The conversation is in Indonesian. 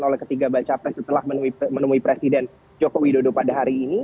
soalnya ketiga banca pres telah menemui presiden joko widodo pada hari ini